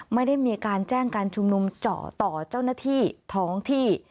ไม่ได้มีการแจ้งการชุมนุมเจาะต่อเจ้าหน้าที่ท้องที่